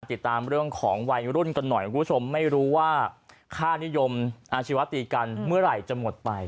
ติดตามเรื่องของวัยรุ่นกันหน่อยคุณผู้ชมไม่รู้ว่าค่านิยมอาชีวตีกันเมื่อไหร่จะหมดไป